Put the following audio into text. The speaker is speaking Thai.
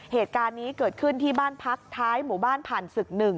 เหตุการณ์นี้เกิดขึ้นที่บ้านพักท้ายหมู่บ้านผ่านศึก๑